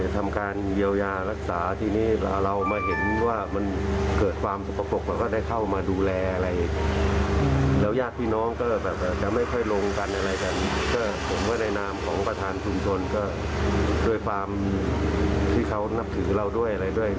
ที่เขานับถือเราด้วยอะไรด้วย